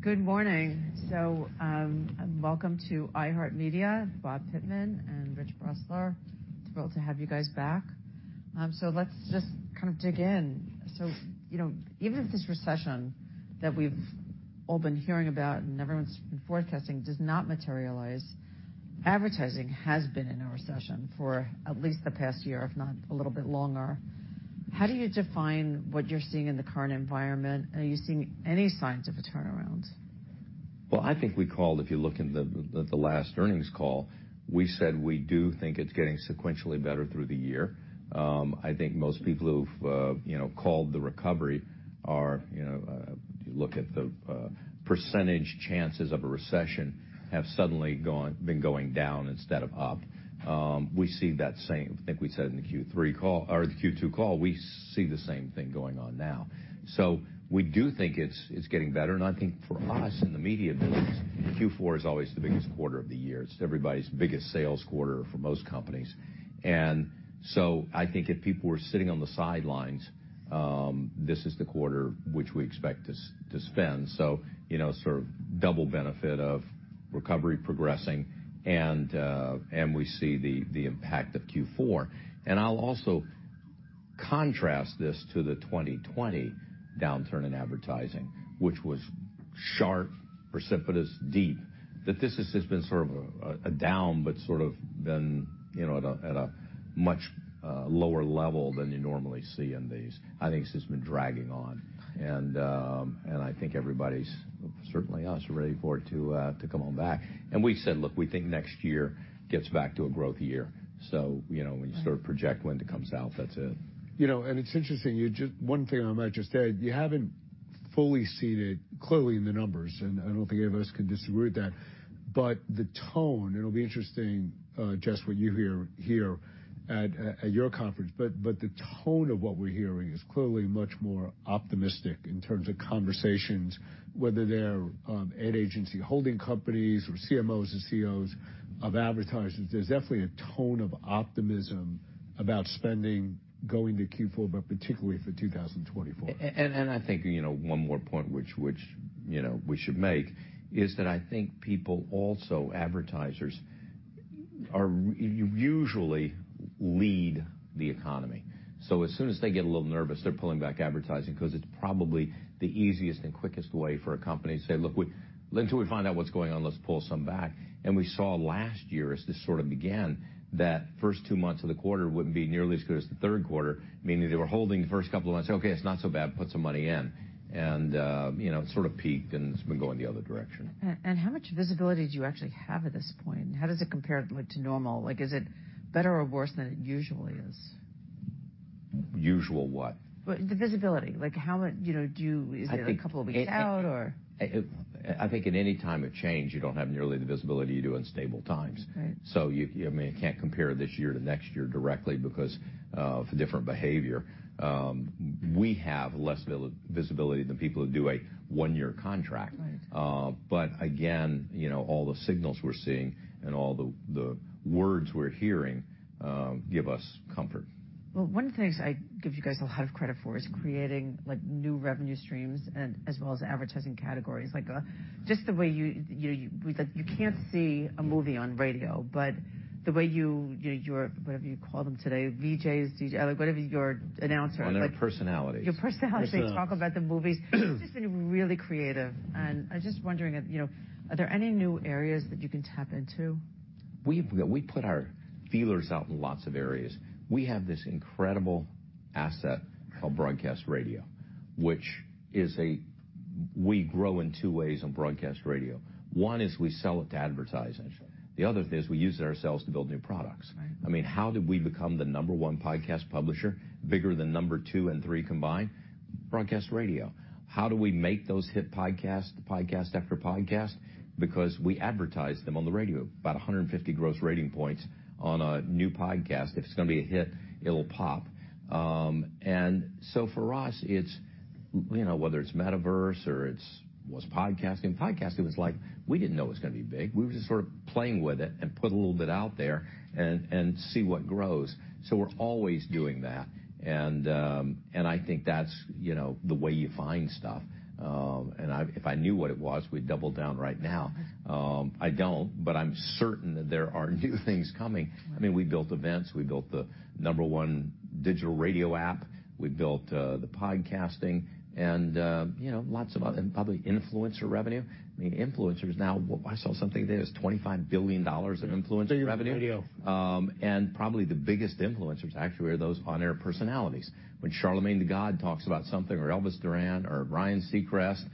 Good morning. Welcome to iHeartMedia, Bob Pittman and Rich Bressler. Thrilled to have you guys back. Let's just kind of dig in. You know, even if this recession that we've all been hearing about and everyone's been forecasting does not materialize, advertising has been in a recession for at least the past year, if not a little bit longer. How do you define what you're seeing in the current environment? Are you seeing any signs of a turnaround? Well, I think we called, if you look in the last earnings call, we said we do think it's getting sequentially better through the year. I think most people who've, you know, called the recovery are, you know, you look at the percentage chances of a recession have suddenly been going down instead of up. We see that same, I think we said in the Q3 call or the Q2 call, we see the same thing going on now. So we do think it's getting better, and I think for us, in the media business, Q4 is always the biggest quarter of the year. It's everybody's biggest sales quarter for most companies. And so I think if people were sitting on the sidelines, this is the quarter which we expect to spend. So, you know, sort of double benefit of recovery progressing and we see the impact of Q4. And I'll also contrast this to the 2020 downturn in advertising, which was sharp, precipitous, deep, that this has just been sort of a down, but sort of been, you know, at a much lower level than you normally see in these. I think it's just been dragging on. And I think everybody's, certainly us, are ready for it to come on back. And we said, "Look, we think next year gets back to a growth year." So, you know, when you sort of project when it comes out, that's it. You know, and it's interesting, you just, one thing I might just add, you haven't fully seen it clearly in the numbers, and I don't think any of us can disagree with that. But the tone, it'll be interesting, Jess, what you hear at your conference. But the tone of what we're hearing is clearly much more optimistic in terms of conversations, whether they're ad agency holding companies or CMOs or CEOs of advertisers. There's definitely a tone of optimism about spending going to Q4, but particularly for 2024. And I think, you know, one more point which, you know, we should make is that I think people, also advertisers, are usually lead the economy. So as soon as they get a little nervous, they're pulling back advertising because it's probably the easiest and quickest way for a company to say, "Look, we until we find out what's going on, let's pull some back." And we saw last year, as this sort of began, that first two months of the quarter wouldn't be nearly as good as the third quarter, meaning they were holding the first couple of months, "Okay, it's not so bad. Put some money in." And, you know, it sort of peaked, and it's been going the other direction. And how much visibility do you actually have at this point? How does it compare to normal? Like, is it better or worse than it usually is? Usual what? Well, the visibility, like, how much... You know, do you- I think- Is it a couple of weeks out or? I think in any time of change, you don't have nearly the visibility you do in stable times. Right. So, you can't compare this year to next year directly because of different behavior. We have less visibility than people who do a one-year contract. Right. But again, you know, all the signals we're seeing and all the words we're hearing give us comfort. Well, one of the things I give you guys a lot of credit for is creating, like, new revenue streams and as well as advertising categories. Like, just the way you, like, you can't see a movie on radio, but the way you, your, whatever you call them today, VJs, DJ, like, whatever your announcer- On-air personalities. Your personalities- Yes. Talk about the movies, you've just been really creative, and I'm just wondering, you know, are there any new areas that you can tap into? We've put our feelers out in lots of areas. We have this incredible asset called broadcast radio, which is a... We grow in two ways on broadcast radio. One is we sell it to advertisers. The other thing is we use it ourselves to build new products. Right. I mean, how did we become the number one podcast publisher, bigger than number two and three combined? Broadcast radio. How do we make those hit podcasts, podcast after podcast? Because we advertise them on the radio. About 150 gross rating points on a new podcast. If it's gonna be a hit, it'll pop. And so, for us, it's, you know, whether it's metaverse or it's, was podcasting. Podcasting was like, we didn't know it was gonna be big. We were just sort of playing with it and put a little bit out there and, and see what grows. So, we're always doing that, and I think that's, you know, the way you find stuff. And if I knew what it was, we'd double down right now. I don't, but I'm certain that there are new things coming. I mean, we built events. We built the number one digital radio app. We built the podcasting and, you know, lots of other, probably influencer revenue. I mean, influencers now, I saw something today, is $25 billion of influencer revenue. Radio. And probably the biggest influencers actually are those on-air personalities. When Charlamagne Tha God talks about something, or Elvis Duran or Ryan Seacrest,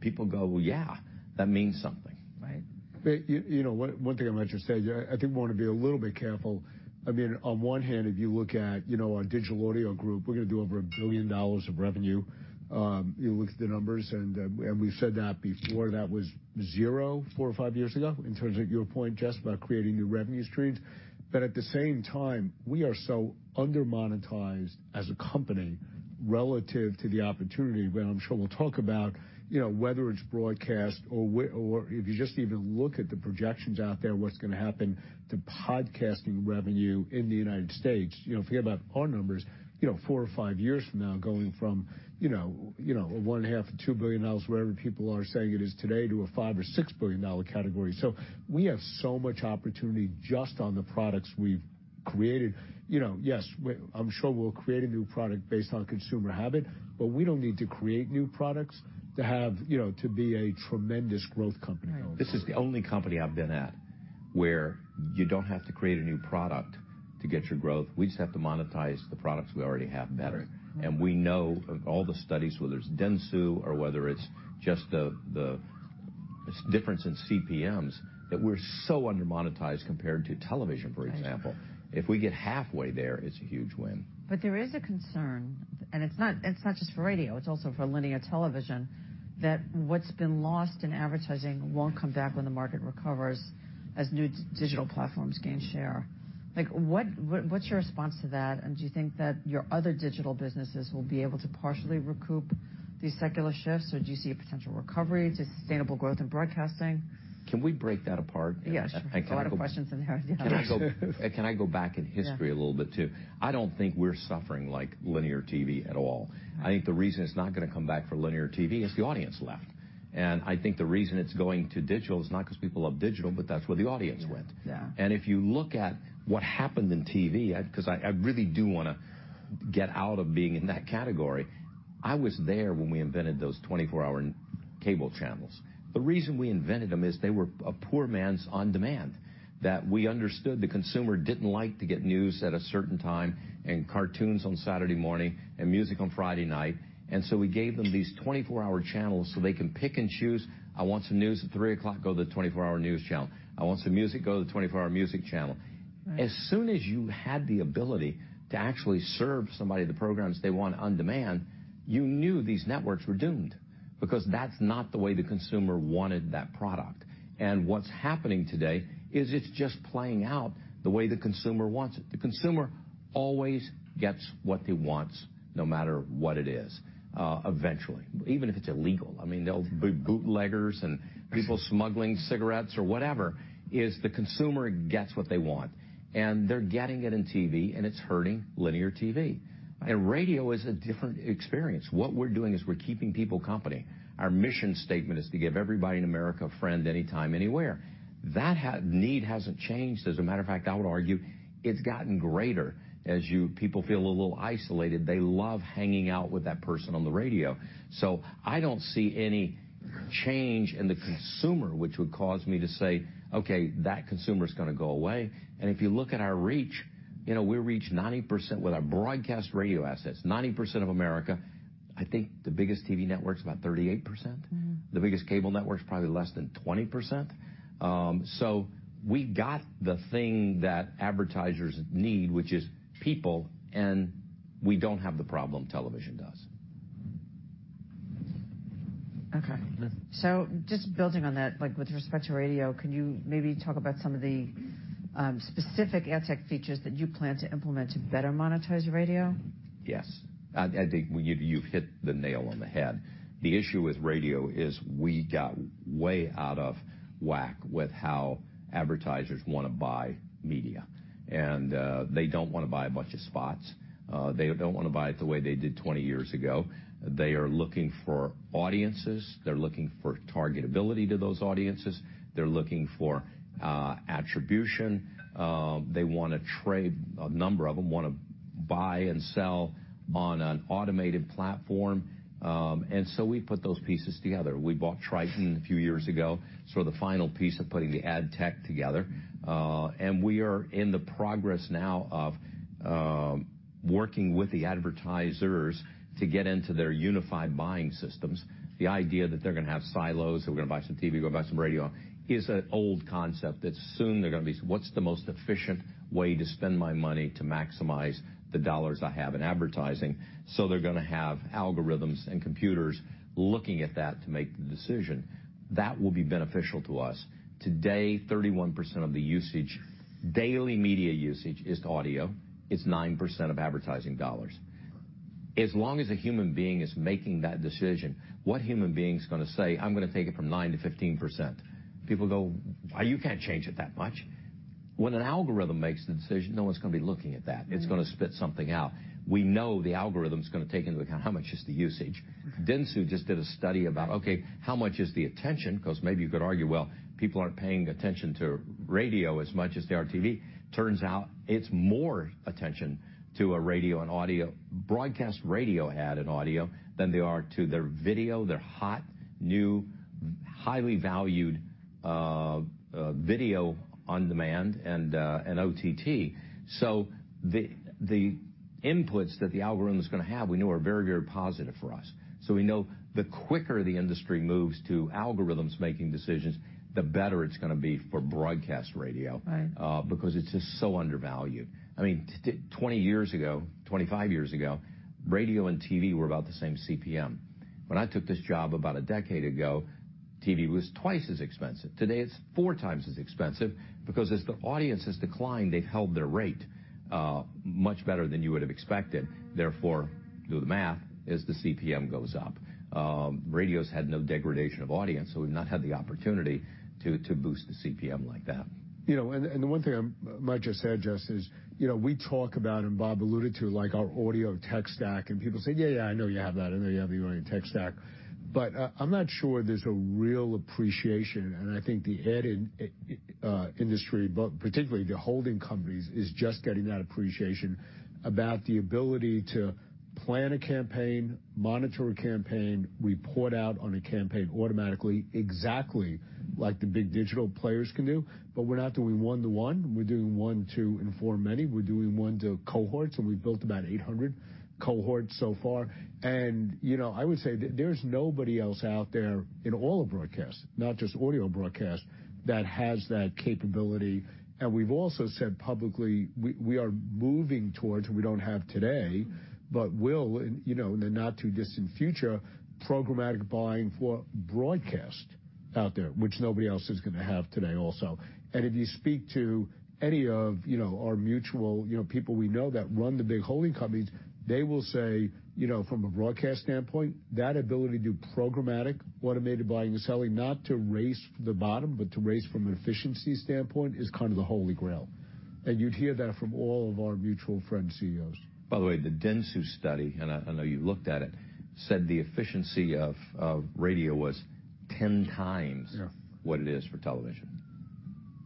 people go, "Well, yeah, that means something. Right. But you know, one thing I might just add, I think we want to be a little bit careful. I mean, on one hand, if you look at, you know, our Digital Audio Group, we're going to do over $1 billion of revenue. You look at the numbers, and we've said that before, that was zero four or five years ago, in terms of your point, Jess, about creating new revenue streams. But at the same time, we are so under-monetized as a company relative to the opportunity, where I'm sure we'll talk about, you know, whether it's broadcast or if you just even look at the projections out there, what's going to happen to podcasting revenue in the United States. You know, forget about our numbers. You know, four or five years from now, going from, you know, you know, $0.5 billion to $2 billion, wherever people are saying it is today, to a $5-$6 billion category. So, we have so much opportunity just on the products we've created. You know, yes, we're, I'm sure we'll create a new product based on consumer habit, but we don't need to create new products to have, you know, to be a tremendous growth company. Right. This is the only company I've been at where you don't have to create a new product to get your growth. We just have to monetize the products we already have better. And we know of all the studies, whether it's Dentsu or whether it's just the difference in CPMs, that we're so under-monetized compared to television, for example. If we get halfway there, it's a huge win. But there is a concern, and it's not, it's not just for radio, it's also for linear television, that what's been lost in advertising won't come back when the market recovers as new digital platforms gain share. Like, what's your response to that? And do you think that your other digital businesses will be able to partially recoup these secular shifts, or do you see a potential recovery, sustainable growth in broadcasting? Can we break that apart? Yeah, sure. A lot of questions in there, yeah. Can I go, can I go back in history a little bit, too? Yeah. I don't think we're suffering like linear TV at all. I think the reason it's not gonna come back for linear TV is the audience left. I think the reason it's going to digital is not because people love digital, but that's where the audience went. Yeah, yeah. And if you look at what happened in TV, 'cause I really do wanna get out of being in that category, I was there when we invented those 24-hour cable channels. The reason we invented them is they were a poor man's on-demand, that we understood the consumer didn't like to get news at a certain time and cartoons on Saturday morning and music on Friday night. And so we gave them these 24-hour channels so they can pick and choose. "I want some news at three o'clock," go to the 24-hour news channel. "I want some music," go to the 24-hour music channel. Right. As soon as you had the ability to actually serve somebody the programs they want on demand, you knew these networks were doomed, because that's not the way the consumer wanted that product. And what's happening today is it's just playing out the way the consumer wants it. The consumer always gets what he wants, no matter what it is, eventually. Even if it's illegal, I mean, there'll be bootleggers and people smuggling cigarettes or whatever. The consumer gets what they want, and they're getting it in TV, and it's hurting linear TV. And radio is a different experience. What we're doing is we're keeping people company. Our mission statement is to give everybody in America a friend, anytime, anywhere. That need hasn't changed. As a matter of fact, I would argue it's gotten greater. People feel a little isolated, they love hanging out with that person on the radio. So I don't see any change in the consumer, which would cause me to say, "Okay, that consumer's gonna go away." And if you look at our reach, you know, we reach 90% with our broadcast radio assets, 90% of America. I think the biggest TV network's about 38%? Mm-hmm. The biggest cable network's probably less than 20%. So we got the thing that advertisers need, which is people, and we don't have the problem television does. Okay. Yeah. Just building on that, like, with respect to radio, can you maybe talk about some of the specific ad tech features that you plan to implement to better monetize your radio? Yes. I think you've hit the nail on the head. The issue with radio is we got way out of whack with how advertisers wanna buy media. And they don't wanna buy a bunch of spots. They don't wanna buy it the way they did 20 years ago. They are looking for audiences, they're looking for targetability to those audiences, they're looking for attribution. They wanna trade, a number of them, wanna buy and sell on an automated platform, and so we put those pieces together. We bought Triton a few years ago, so the final piece of putting the ad tech together. And we are in progress now of working with the advertisers to get into their unified buying systems. The idea that they're gonna have silos, they're gonna buy some TV, go buy some radio, is an old concept that soon they're gonna be, "What's the most efficient way to spend my money to maximize the dollars I have in advertising?" So they're gonna have algorithms and computers looking at that to make the decision. That will be beneficial to us. Today, 31% of the usage, daily media usage, is audio. It's 9% of advertising dollars. As long as a human being is making that decision, what human being's gonna say, "I'm gonna take it from 9% to 15%"? People go, "Why, you can't change it that much." When an algorithm makes the decision, no one's gonna be looking at that. Mm. It's gonna spit something out. We know the algorithm's gonna take into account how much is the usage? Dentsu just did a study about, okay, how much is the attention? 'Cause maybe you could argue, well, people aren't paying attention to radio as much as they are TV. Turns out it's more attention to a radio and audio, broadcast radio ad and audio than they are to their video, their hot, new, highly valued, video on demand and, and OTT. So the inputs that the algorithm is gonna have, we know are very, very positive for us. So we know the quicker the industry moves to algorithms making decisions, the better it's gonna be for broadcast radio- Right Because it's just so undervalued. I mean, 20 years ago, 25 years ago, radio and TV were about the same CPM. When I took this job about a decade ago, TV was twice as expensive. Today, it's four times as expensive, because as the audience has declined, they've held their rate much better than you would have expected. Therefore, do the math, as the CPM goes up. Radio's had no degradation of audience, so we've not had the opportunity to boost the CPM like that. You know, and, and the one thing I might just add, Jess, is, you know, we talk about, and Bob alluded to, like, our audio tech stack, and people say, "Yeah, yeah, I know you have that, I know you have the audio tech stack." But, I'm not sure there's a real appreciation, and I think the ad industry, but particularly the holding companies, is just getting that appreciation about the ability to plan a campaign, monitor a campaign, report out on a campaign automatically, exactly like the big digital players can do. But we're not doing one-to-one, we're doing one to and for many, we're doing one to cohorts, and we've built about 800 cohorts so far. And, you know, I would say there, there's nobody else out there in all of broadcast, not just audio broadcast, that has that capability. We've also said publicly, we are moving towards, we don't have today... Mm-hmm. But will, in, you know, in the not-too-distant future, programmatic buying for broadcast out there, which nobody else is going to have today also. And if you speak to any of, you know, our mutual, you know, people we know that run the big holding companies, they will say, you know, from a broadcast standpoint, that ability to do programmatic, automated buying and selling, not to race to the bottom, but to race from an efficiency standpoint, is kind of the Holy Grail. And you'd hear that from all of our mutual friend CEOs. By the way, the Dentsu study, and I know you looked at it, said the efficiency of radio was 10 times- Yeah What it is for television.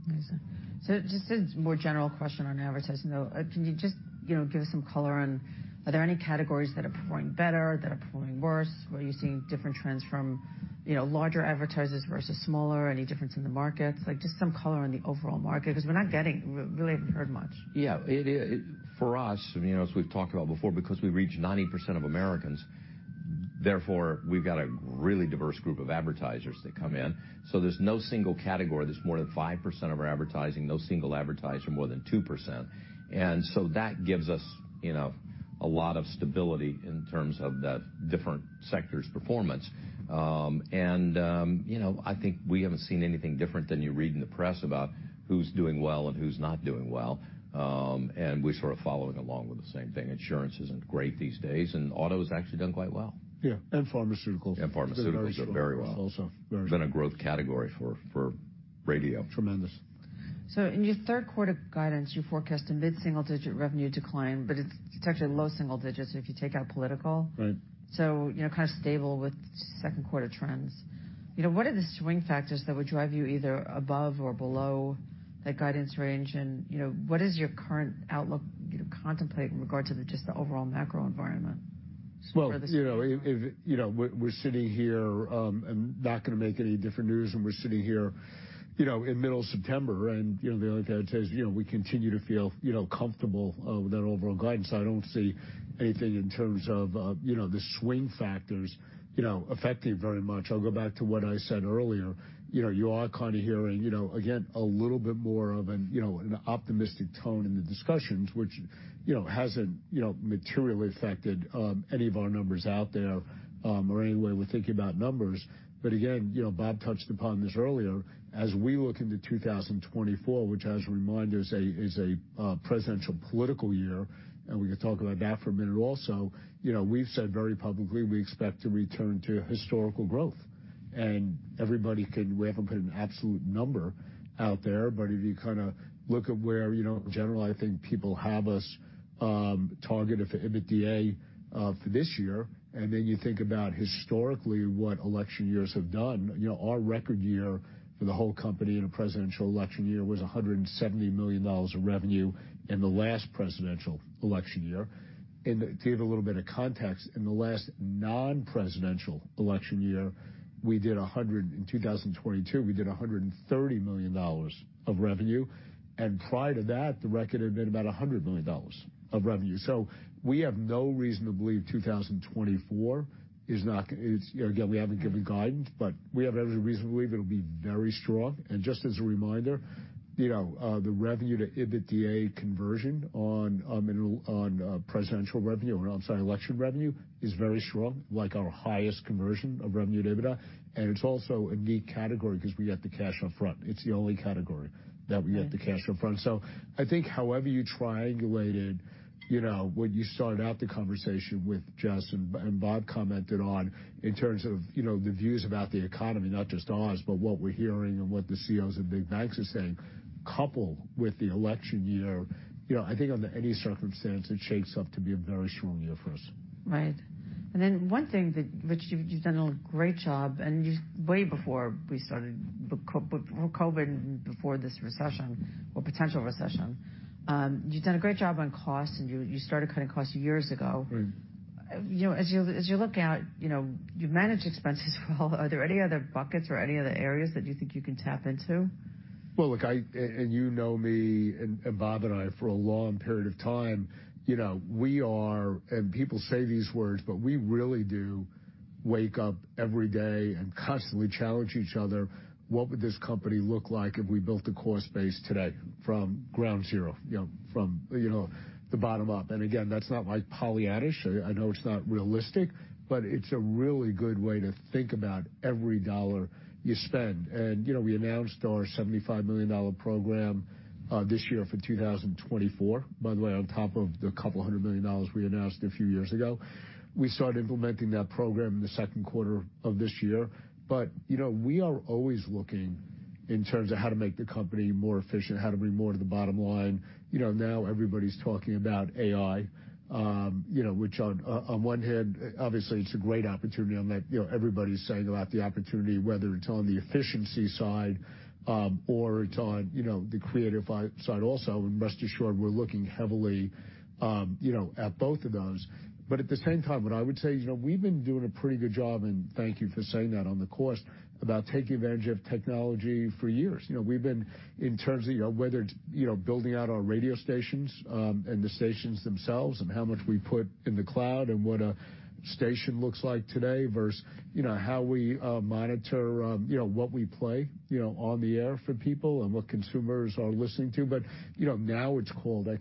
Amazing. So just a more general question on advertising, though. Can you just, you know, give us some color on, are there any categories that are performing better, that are performing worse? Are you seeing different trends from, you know, larger advertisers versus smaller? Any difference in the markets? Like, just some color on the overall market, because we're not getting, we really haven't heard much. Yeah, it is, for us, you know, as we've talked about before, because we reach 90% of Americans, therefore, we've got a really diverse group of advertisers that come in. So, there's no single category that's more than 5% of our advertising, no single advertiser, more than 2%. And so that gives us, you know, a lot of stability in terms of the different sectors' performance. And, you know, I think we haven't seen anything different than you read in the press about who's doing well and who's not doing well. And we're sort of following along with the same thing. Insurance isn't great these days, and auto has actually done quite well. Yeah, and pharmaceuticals. Pharmaceuticals are very well. Also. It's been a growth category for radio. Tremendous. In your third quarter guidance, you forecast a mid-single-digit revenue decline, but it's actually low single digits if you take out political. Right. So, you know, kind of stable with second quarter trends. You know, what are the swing factors that would drive you either above or below that guidance range? You know, what is your current outlook, you know, contemplate in regard to the, just the overall macro environment? Well- For this- You know, if we're sitting here and not going to make any different news, and we're sitting here, you know, in middle of September, and, you know, the other day I says, you know, we continue to feel, you know, comfortable with that overall guidance. I don't see anything in terms of the swing factors affecting it very much. I'll go back to what I said earlier. You know, you are kind of hearing, you know, again, a little bit more of an optimistic tone in the discussions, which, you know, hasn't materially affected any of our numbers out there or any way we're thinking about numbers. But again, you know, Bob touched upon this earlier. As we look into 2024, which, as a reminder, is a presidential political year, and we can talk about that for a minute also, you know, we've said very publicly we expect to return to historical growth, and everybody can... We haven't put an absolute number out there, but if you kind of look at where, you know, in general, I think people have us targeted for EBITDA for this year, and then you think about historically, what election years have done. You know, our record year for the whole company in a presidential election year was $170 million of revenue in the last presidential election year. To give a little bit of context, in the last non-presidential election year, in 2022, we did $130 million of revenue, and prior to that, the record had been about $100 million of revenue. So we have no reason to believe 2024 is not, it's, again, we haven't given guidance, but we have every reason to believe it'll be very strong. And just as a reminder, you know, the revenue to EBITDA conversion on presidential revenue, or I'm sorry, election revenue, is very strong, like our highest conversion of revenue to EBITDA. And it's also a neat category because we get the cash up front. It's the only category that we get the cash up front. So I think, however you triangulate it, you know, when you started out the conversation with Jess, and, and Bob commented on, in terms of, you know, the views about the economy, not just ours, but what we're hearing and what the CEOs of big banks are saying, coupled with the election year, you know, I think under any circumstance, it shapes up to be a very strong year for us. Right. And then one thing that, which you've done a great job, and you way before we started with COVID, before this recession or potential recession, you've done a great job on cost, and you started cutting costs years ago. Right. You know, as you look out, you know, you've managed expenses well. Are there any other buckets or any other areas that you think you can tap into? Well, look, you know me, and Bob and I, for a long period of time, you know, we are, and people say these words, but we really do wake up every day and constantly challenge each other, "What would this company look like if we built a cost base today from ground zero?" You know, from, you know, the bottom up. And again, that's not like Pollyannaish. I know it's not realistic, but it's a really good way to think about every dollar you spend. And, you know, we announced our $75 million program this year for 2024. By the way, on top of the couple hundred million dollars we announced a few years ago. We started implementing that program in the second quarter of this year. But, you know, we are always looking in terms of how to make the company more efficient, how to bring more to the bottom line. You know, now everybody's talking about AI, you know, which on one hand, obviously, it's a great opportunity on that. You know, everybody's saying about the opportunity, whether it's on the efficiency side, or it's on, you know, the creative side also. Rest assured, we're looking heavily, you know, at both of those. But at the same time, what I would say, you know, we've been doing a pretty good job, and thank you for saying that, on the cost, about taking advantage of technology for years. You know, we've been in terms of, you know, whether it's, you know, building out our radio stations, and the stations themselves, and how much we put in the cloud, and what a station looks like today versus, you know, how we monitor, you know, what we play, you know, on the air for people and what consumers are listening to. But, you know, now it's called... I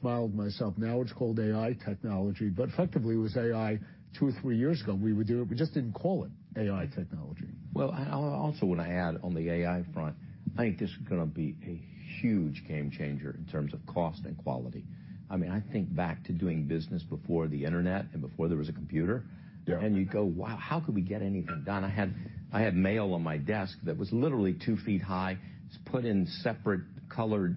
smiled myself. Now it's called AI technology, but effectively it was AI two or three years ago. We would do it, we just didn't call it AI technology. Well, I also want to add on the AI front, I think this is going to be a huge game changer in terms of cost and quality. I mean, I think back to doing business before the internet and before there was a computer. Yeah. And you go, "Wow, how could we get anything done?" I had, I had mail on my desk that was literally two feet high. It's put in separate-colored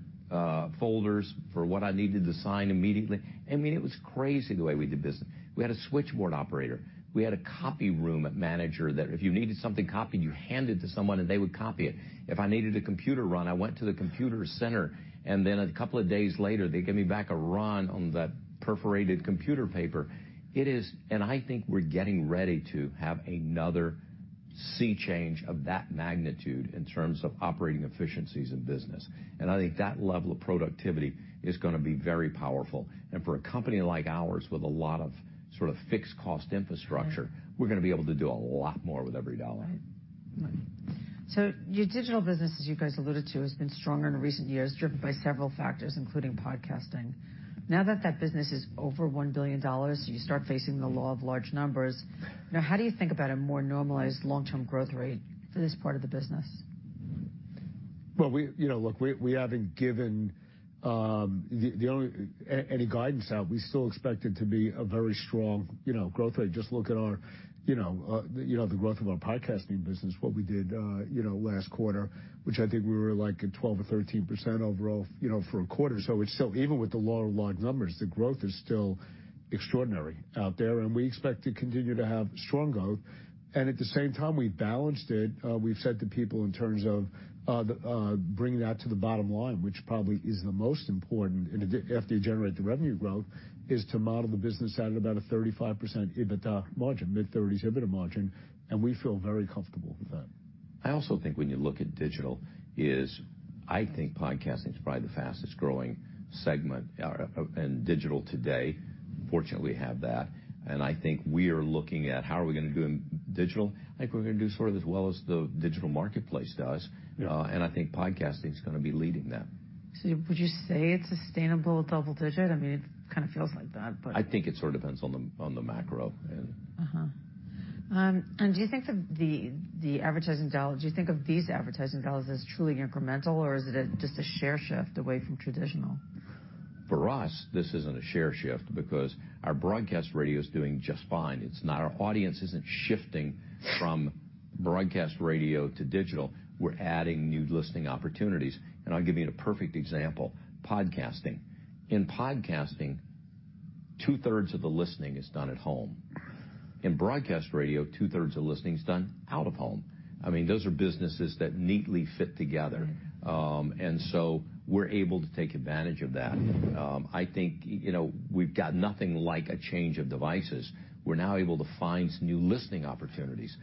folders for what I needed to sign immediately. I mean, it was crazy the way we did business. We had a switchboard operator. We had a copy room manager, that if you needed something copied, you hand it to someone, and they would copy it. If I needed a computer run, I went to the computer center, and then a couple of days later, they give me back a run on that perforated computer paper. It is. And I think we're getting ready to have another sea change of that magnitude in terms of operating efficiencies in business. And I think that level of productivity is going to be very powerful. For a company like ours, with a lot of sort of fixed cost infrastructure, we're going to be able to do a lot more with every dollar. Right. So, your digital business, as you guys alluded to, has been stronger in recent years, driven by several factors, including podcasting. Now that that business is over $1 billion, you start facing the law of large numbers. Now, how do you think about a more normalized long-term growth rate for this part of the business? Well, we, you know, look, we, we haven't given any guidance out. We still expect it to be a very strong, you know, growth rate. Just look at our, you know, the growth of our podcasting business, what we did, you know, last quarter, which I think we were, like, at 12% or 13% overall, you know, for a quarter. So, it's still, even with the law of large numbers, the growth is still extraordinary out there, and we expect to continue to have strong growth, and at the same time, we balanced it. We've said to people in terms of bringing that to the bottom line, which probably is the most important, and after you generate the revenue growth, is to model the business out at about a 35% EBITDA margin, mid-30s EBITDA margin, and we feel very comfortable with that. I also think when you look at digital is, I think podcasting is probably the fastest growing segment in digital today. Fortunately, we have that, and I think we are looking at how are we going to do in digital. I think we're going to do sort of as well as the digital marketplace does, and I think podcasting is going to be leading that. Would you say it's sustainable double-digit? I mean, it kind of feels like that, but- I think it sort of depends on the, on the macro and- Uh-huh. And do you think that the advertising dollars, do you think of these advertising dollars as truly incremental, or is it just a share shift away from traditional? For us, this isn't a share shift, because our broadcast radio is doing just fine. It's not, our audience isn't shifting from broadcast radio to digital. We're adding new listening opportunities, and I'll give you a perfect example, podcasting. In podcasting, two-thirds of the listening is done at home. In broadcast radio, two-thirds of listening is done out of home. I mean, those are businesses that neatly fit together. And so, we're able to take advantage of that. I think, you know, we've got nothing like a change of devices. We're now able to find some new listening opportunities.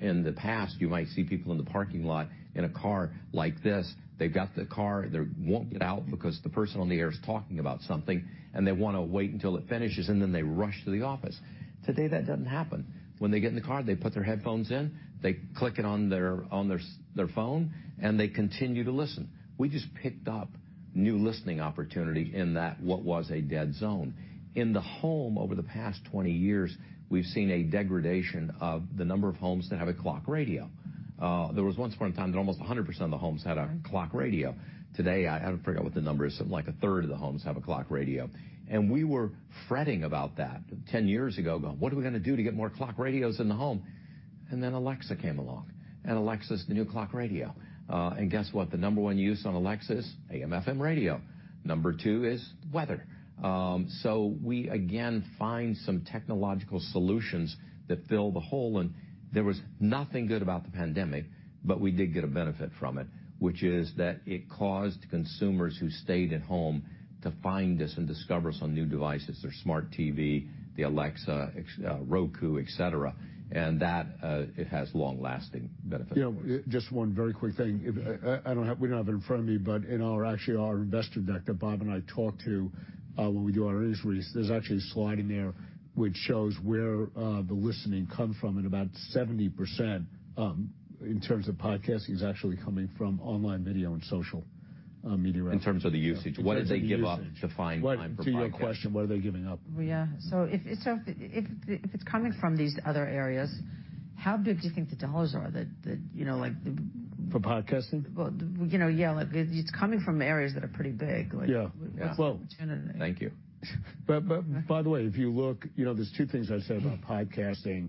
In the past, you might see people in the parking lot in a car like this. They've got the car, they won't get out, because the person on the air is talking about something, and they want to wait until it finishes, and then they rush to the office. Today, that doesn't happen. When they get in the car, they put their headphones in, they click it on their phone, and they continue to listen. We just picked up new listening opportunity in that what was a dead zone. In the home, over the past 20 years, we've seen a degradation of the number of homes that have a clock radio. There was once upon a time that almost 100% of the homes had a clock radio. Today, I forget what the number is, like, a third of the homes have a clock radio. And we were fretting about that 10 years ago, going, "What are we going to do to get more clock radios in the home?" And then Alexa came along, and Alexa's the new clock radio. And guess what? The number one use on Alexa, AM/FM radio. Number two its weather. So we again find some technological solutions that fill the hole, and there was nothing good about the pandemic, but we did get a benefit from it, which is that it caused consumers who stayed at home to find us and discover us on new devices, their smart TV, the Alexa, Echo, Roku, et cetera. And that it has long-lasting benefits. You know, just one very quick thing. I don't have, we don't have it in front of me, but in our, actually, our investor deck that Bob and I talked to, when we do our earnings release, there's actually a slide in there which shows where the listening come from, and about 70%, in terms of podcasting, is actually coming from online video and social media. In terms of the usage, what did they give up to find time for podcasting? To your question, what are they giving up? Yeah. So if it's coming from these other areas, how big do you think the dollars are that you know, like the- For podcasting? Well, you know, yeah, it's coming from areas that are pretty big, like- Yeah. Well- Thank you. But, but by the way, if you look, you know, there's two things I've said about podcasting.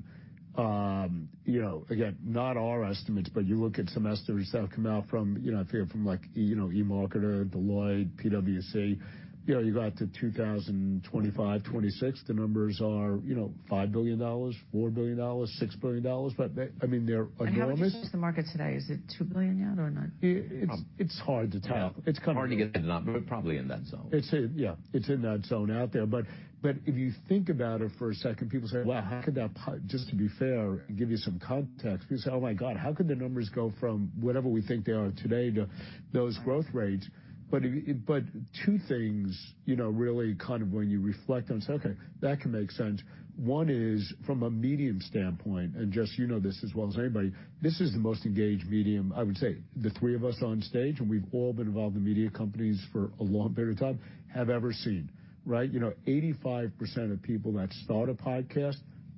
You know, again, not our estimates, but you look at semester results come out from, you know, from like, you know, eMarketer, Deloitte, PwC, you know, you go out to 2025, 2026, the numbers are, you know, $5 billion, $4 billion, $6 billion. But they, I mean, they're enormous. How does the market today? Is it $2 billion yet or not? It's hard to tell. Hard to get it, but probably in that zone. It's in, yeah, it's in that zone out there. But, but if you think about it for a second, people say, "Well, how could that..." Just to be fair and give you some context, people say, "Oh, my God, how could the numbers go from whatever we think they are today to those growth rates?" But, but two things, you know, really kind of when you reflect on and say, okay, that can make sense. One is from a medium standpoint, and Jess, you know this as well as anybody, this is the most engaged medium, I would say, the three of us on stage, and we've all been involved in media companies for a long period of time, have ever seen, right? You know, 85% of people that start a podcast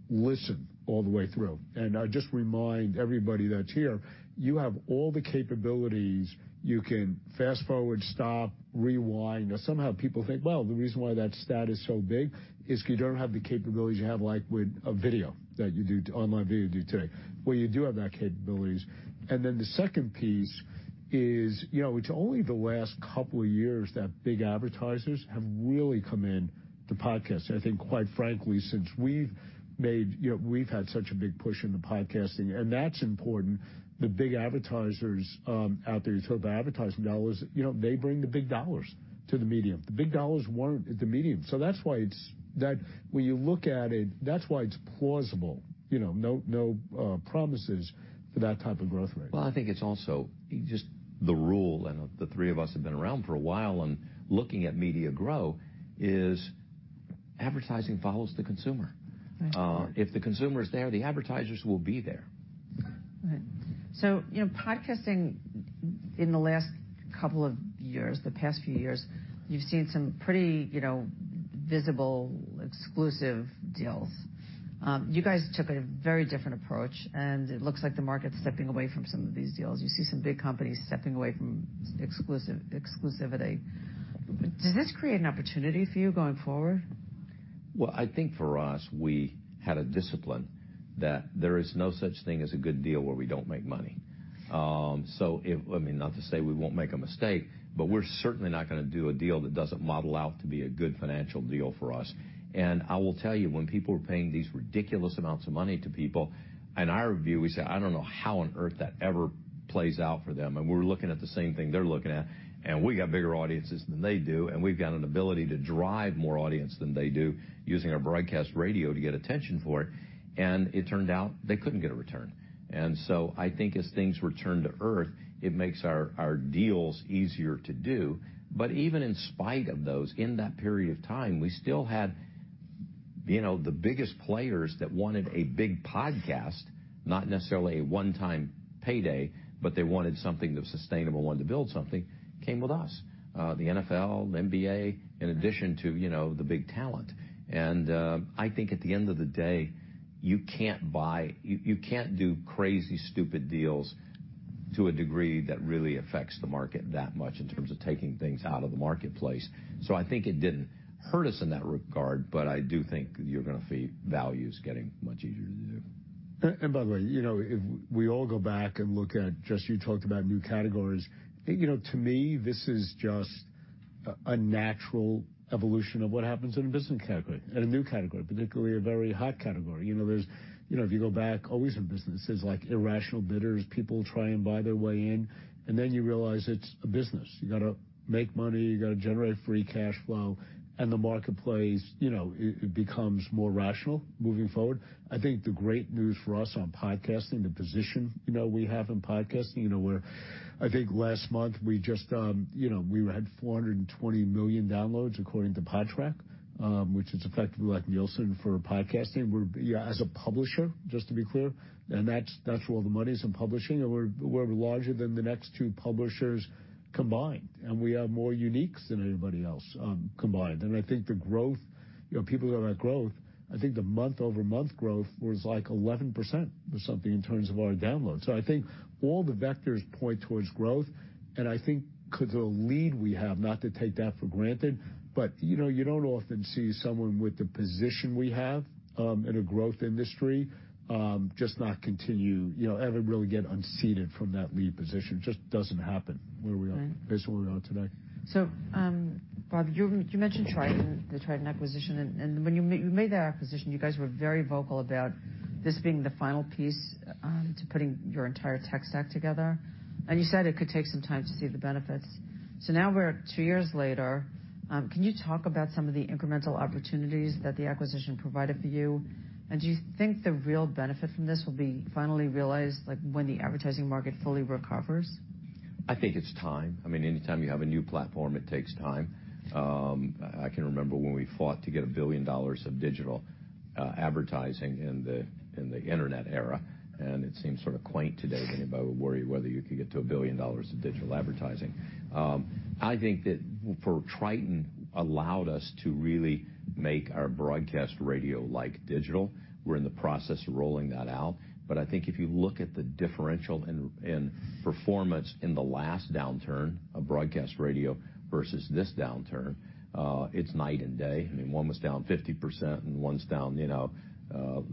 listen all the way through. And I just remind everybody that's here, you have all the capabilities. You can fast-forward, stop, rewind. Somehow people think, well, the reason why that stat is so big is because you don't have the capabilities you have, like with a video, that you do, online video do today. Well, you do have that capabilities. And then the second piece is, you know, it's only the last couple of years that big advertisers have really come in to podcasting. I think, quite frankly, since we've made, you know, we've had such a big push in the podcasting, and that's important. The big advertisers out there, so the advertising dollars, you know, they bring the big dollars to the medium. The big dollars weren't at the medium. So that's why it's, that when you look at it, that's why it's plausible, you know, no, no, promises for that type of growth rate. Well, I think it's also just the rule, and the three of us have been around for a while and looking at media grow, is advertising follows the consumer. Right. If the consumer is there, the advertisers will be there. Right. So, you know, podcasting in the last couple of years, the past few years, you've seen some pretty, you know, visible, exclusive deals. You guys took a very different approach, and it looks like the market's stepping away from some of these deals. You see some big companies stepping away from exclusive, exclusivity. Does this create an opportunity for you going forward? Well, I think for us, we had a discipline that there is no such thing as a good deal where we don't make money. I mean, not to say we won't make a mistake, but we're certainly not gonna do a deal that doesn't model out to be a good financial deal for us. And I will tell you, when people are paying these ridiculous amounts of money to people, in our view, we say, "I don't know how on earth that ever plays out for them." And we're looking at the same thing they're looking at, and we got bigger audiences than they do, and we've got an ability to drive more audience than they do using our broadcast radio to get attention for it, and it turned out they couldn't get a return. So I think as things return to earth, it makes our, our deals easier to do. But even in spite of those, in that period of time, we still had, you know, the biggest players that wanted a big podcast, not necessarily a one-time payday, but they wanted something that was sustainable and wanted to build something, came with us, the NFL, the NBA, in addition to, you know, the big talent. And, I think at the end of the day, you can't do crazy, stupid deals to a degree that really affects the market that much in terms of taking things out of the marketplace. So I think it didn't hurt us in that regard, but I do think you're gonna see values getting much easier to do. And by the way, you know, if we all go back and look at, just, you talked about new categories, you know, to me, this is just a natural evolution of what happens in a business category, in a new category, particularly a very hot category. You know, there's, you know, if you go back, always in business, there's, like, irrational bidders, people try and buy their way in, and then you realize it's a business. You gotta make money, you gotta generate free cash flow, and the marketplace, you know, it becomes more rational moving forward. I think the great news for us on podcasting, the position, you know, we have in podcasting, you know, we're, I think last month, we just, you know, we had 420 million downloads, according to Podtrac, which is effectively like Nielsen for podcasting. We're, yeah, as a publisher, just to be clear, and that's, that's where all the money is, in publishing, and we're, we're larger than the next two publishers combined, and we have more uniques than anybody else, combined. And I think the growth, you know, people are about growth, I think the month-over-month growth was, like, 11% or something in terms of our downloads. So I think all the vectors point towards growth, and I think because the lead we have, not to take that for granted, but, you know, you don't often see someone with the position we have, in a growth industry, just not continue, you know, ever really get unseated from that lead position. Just doesn't happen where we are, based on where we are today. So, Bob, you mentioned Triton, the Triton acquisition, and when you made that acquisition, you guys were very vocal about this being the final piece to putting your entire tech stack together. And you said it could take some time to see the benefits. So now we're two years later. Can you talk about some of the incremental opportunities that the acquisition provided for you? And do you think the real benefit from this will be finally realized, like, when the advertising market fully recovers? I think it's time. I mean, anytime you have a new platform, it takes time. I can remember when we fought to get $1 billion of digital advertising in the internet era, and it seems sort of quaint today that anybody would worry whether you could get to $1 billion of digital advertising. I think that for Triton allowed us to really make our broadcast radio like digital. We're in the process of rolling that out. But I think if you look at the differential in performance in the last downturn of broadcast radio versus this downturn, it's night and day. I mean, one was down 50%, and one's down, you know,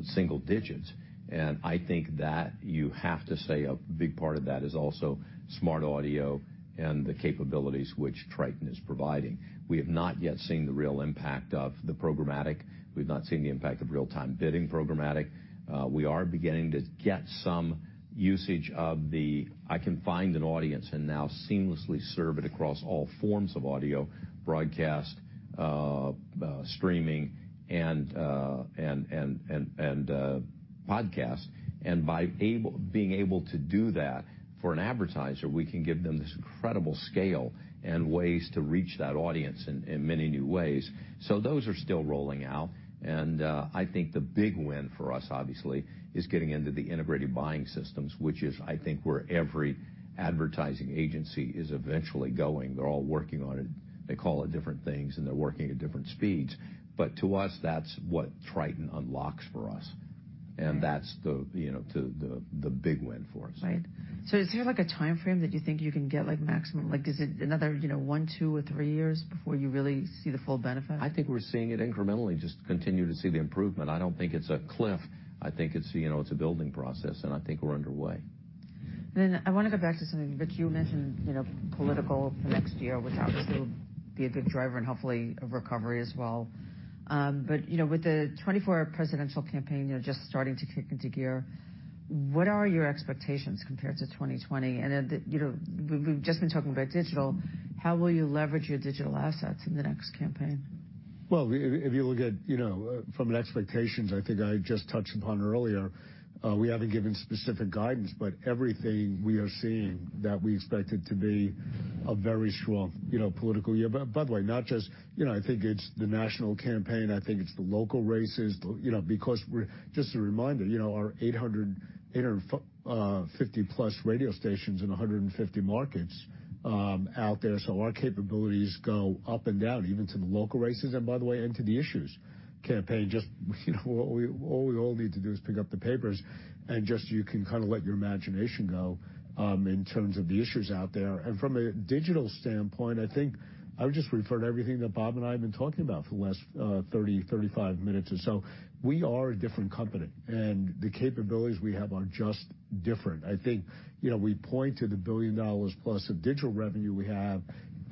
single digits. And I think that you have to say a big part of that is also SmartAudio and the capabilities which Triton is providing. We have not yet seen the real impact of the programmatic. We've not seen the impact of real-time bidding programmatic. We are beginning to get some usage of the, "I can find an audience and now seamlessly serve it across all forms of audio, broadcast, streaming, and podcast." And by being able to do that for an advertiser, we can give them this incredible scale and ways to reach that audience in many new ways. So those are still rolling out, and I think the big win for us, obviously, is getting into the integrated buying systems, which is, I think, where every advertising agency is eventually going. They're all working on it. They call it different things, and they're working at different speeds. But to us, that's what Triton unlocks for us, and that's the, you know, to the big win for us. Right. So, is there, like, a timeframe that you think you can get, like, maximum? Like, is it another, you know, one, two, or three years before you really see the full benefit? I think we're seeing it incrementally, just continue to see the improvement. I don't think it's a cliff. I think it's, you know, it's a building process, and I think we're underway. Then I want to go back to something that you mentioned, you know, political next year, which obviously will be a good driver and hopefully a recovery as well. But, you know, with the 2024 presidential campaign, you know, just starting to kick into gear, what are your expectations compared to 2020? And, you know, we've just been talking about digital. How will you leverage your digital assets in the next campaign? Well, if you look at, you know, from an expectation, I think I just touched upon earlier, we haven't given specific guidance, but everything we are seeing, that we expect it to be a very strong, you know, political year. By the way, not just, you know, I think it's the national campaign, I think it's the local races, you know, because we're just a reminder, you know, our 850+ radio stations in 150 markets out there, so our capabilities go up and down, even to the local races, and by the way, into the issues campaign. Just, you know, all we need to do is pick up the papers, and just you can kind of let your imagination go in terms of the issues out there. And from a digital standpoint, I think I would just refer to everything that Bob and I have been talking about for the last 30, 35 minutes or so. We are a different company, and the capabilities we have are just different. I think, you know, we point to the $1 billion+ of digital revenue we have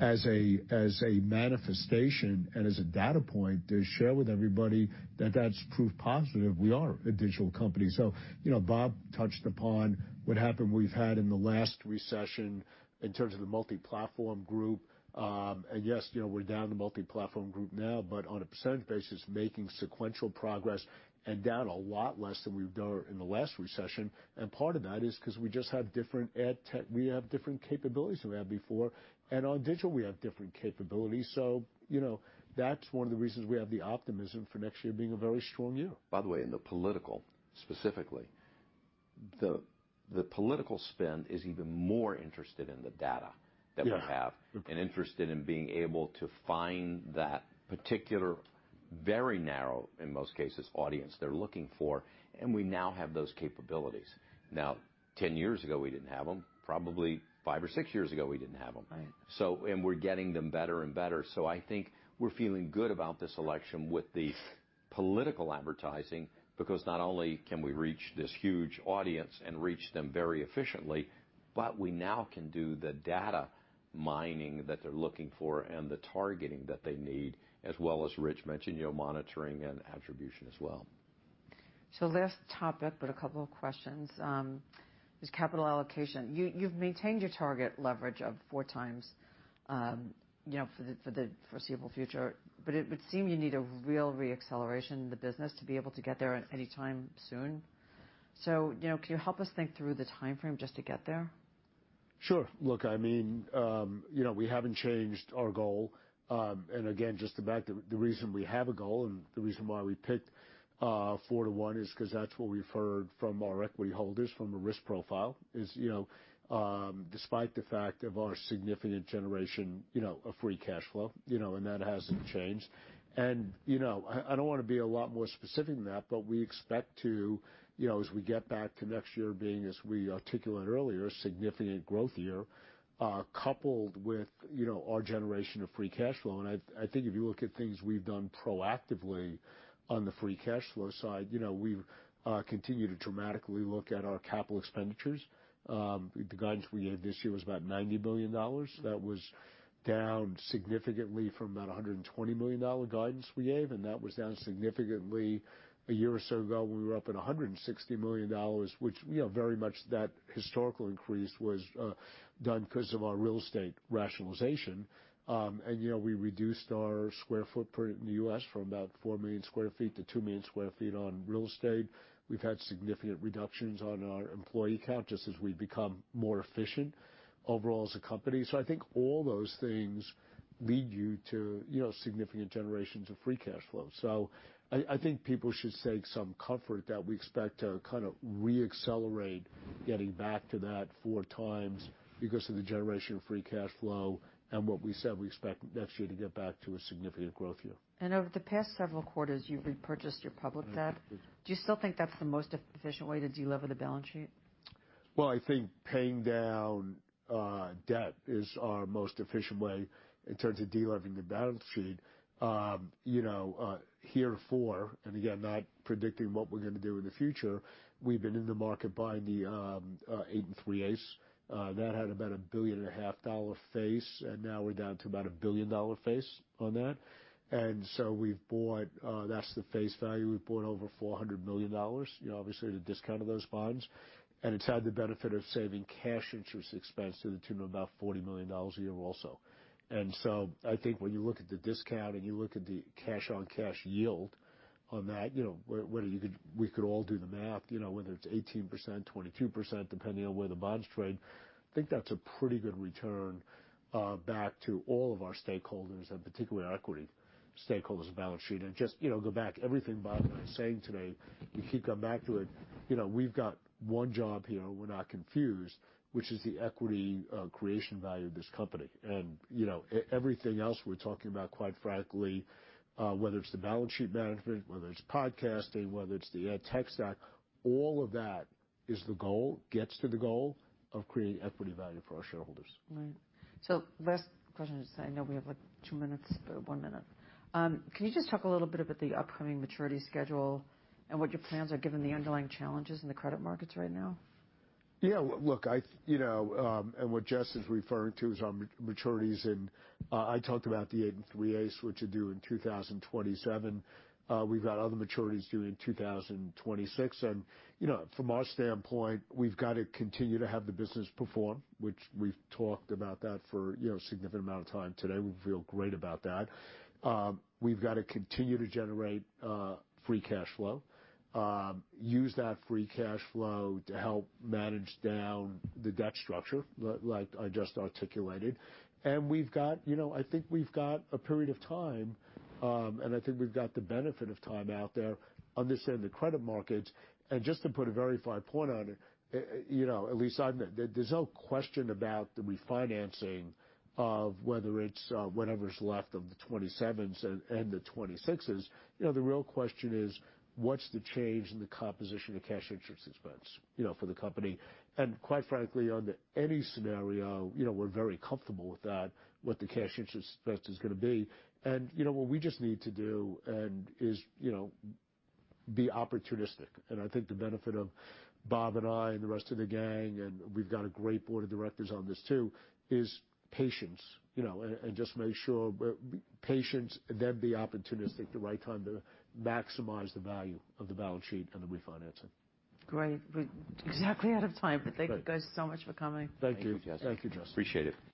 as a, as a manifestation and as a data point to share with everybody that that's proof positive we are a digital company. So, you know, Bob touched upon what happened we've had in the last recession in terms of the Multiplatform Group. And yes, you know, we're down to Multiplatform Group now, but on a percentage basis, making sequential progress and down a lot less than we've done in the last recession. And part of that is because we just have different ad tech. We have different capabilities than we had before, and on digital, we have different capabilities. So, you know, that's one of the reasons we have the optimism for next year being a very strong year. By the way, in the political, specifically, the political spend is even more interested in the data- Yeah That we have, and interested in being able to find that particular, very narrow, in most cases, audience they're looking for, and we now have those capabilities. Now, 10 years ago, we didn't have them. Probably five or six years ago, we didn't have them. Right. So, we're getting them better and better, so I think we're feeling good about this election with the political advertising, because not only can we reach this huge audience and reach them very efficiently, but we now can do the data mining that they're looking for and the targeting that they need, as well as Rich mentioned, you know, monitoring and attribution as well. So last topic, but a couple of questions, is capital allocation. You, you've maintained your target leverage of 4x, you know, for the foreseeable future, but it would seem you need a real reacceleration in the business to be able to get there at any time soon. So, you know, can you help us think through the timeframe just to get there? Sure. Look, I mean, you know, we haven't changed our goal. Again, just to back the reason we have a goal and the reason why we picked four-to-one is because that's what we've heard from our equity holders, from a risk profile, you know, despite the fact of our significant generation, you know, a free cash flow, you know, and that hasn't changed. You know, I don't want to be a lot more specific than that, but we expect to, you know, as we get back to next year, being, as we articulated earlier, a significant growth year, coupled with, you know, our generation of free cash flow. I think if you look at things we've done proactively on the free cash flow side, you know, we've continued to dramatically look at our capital expenditures. The guidance we gave this year was about $90 billion. That was down significantly from about $120 million dollar guidance we gave, and that was down significantly. A year or so ago, we were up in $160 million, which, you know, very much that historical increase was done because of our real estate rationalization. And, you know, we reduced our square footprint in the U.S. from about 4 million sq ft to 2 million sq ft on real estate. We've had significant reductions on our employee count, just as we've become more efficient overall as a company. So, I think all those things lead you to, you know, significant generations of free cash flow. So, I think people should take some comfort that we expect to kind of reaccelerate getting back to that 4x because of the generation of free cash flow and what we said we expect next year to get back to a significant growth year. Over the past several quarters, you've repurchased your public debt. Do you still think that's the most efficient way to delever the balance sheet? Well, I think paying down debt is our most efficient way in terms of delevering the balance sheet. You know, heretofore, and again, not predicting what we're going to do in the future, we've been in the market buying the 8 3/8. That had about a $1.5 billion face, and now we're down to about a $1 billion face on that. And so, we've bought that's the face value. We've bought over $400 million, you know, obviously, at a discount of those bonds, and it's had the benefit of saving cash interest expense to the tune of about $40 million a year also. So, I think when you look at the discount and you look at the cash-on-cash yield on that, you know, whether we could all do the math, you know, whether it's 18%, 22%, depending on where the bonds trade, I think that's a pretty good return back to all of our stakeholders, and particularly our equity stakeholders and balance sheet. Just, you know, go back, everything Bob and I are saying today, you keep coming back to it, you know, we've got one job here, we're not confused, which is the equity creation value of this company. You know, everything else we're talking about, quite frankly, whether it's the balance sheet management, whether it's podcasting, whether it's the ad tech stack, all of that is the goal, gets to the goal of creating equity value for our shareholders. Right. So last question, because I know we have, like, two minutes, one minute. Can you just talk a little bit about the upcoming maturity schedule and what your plans are given the underlying challenges in the credit markets right now? Yeah, look, I, you know, and what Jess is referring to is our maturities in, I talked about the 8 3/8, which are due in 2027. We've got other maturities due in 2026. And, you know, from our standpoint, we've got to continue to have the business perform, which we've talked about that for, you know, a significant amount of time today. We feel great about that. We've got to continue to generate, free cash flow, use that free cash flow to help manage down the debt structure, like I just articulated. And we've got, you know, I think we've got a period of time, and I think we've got the benefit of time out there on this end of the credit markets. Just to put a very fine point on it, you know, at least there, there's no question about the refinancing of whether it's whatever's left of the 2027s and the 2026s. You know, the real question is, what's the change in the composition of cash interest expense, you know, for the company? And quite frankly, under any scenario, you know, we're very comfortable with that, what the cash interest expense is going to be. And, you know, what we just need to do is, you know, be opportunistic. And I think the benefit of Bob and I and the rest of the gang, and we've got a great board of directors on this, too, is patience, you know, and just make sure, patience, and then be opportunistic, the right time to maximize the value of the balance sheet and the refinancing. Great. We're exactly out of time, but thank you guys so much for coming. Thank you. Thank you, Jess. Thank you, Jess. Appreciate it.